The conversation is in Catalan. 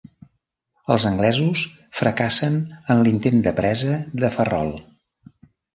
Els anglesos fracassen en l'intent de presa de Ferrol.